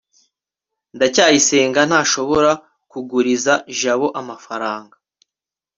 ndacyayisenga ntashobora kuguriza jabo amafaranga